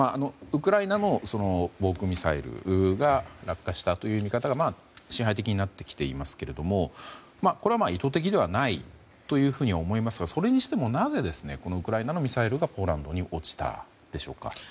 ウクライナの防空ミサイルが落下したという見方が支配的になってきていますがこれは意図的ではないとは思いますがそれにしても、なぜウクライナのミサイルがポーランドに落ちたのでしょうか。